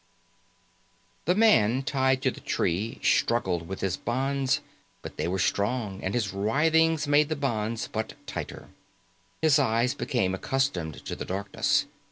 The man tied to the tree struggled with his bonds, but they were strong and his writhings made the knots but tighten. His eyes became accustomed to the darkness.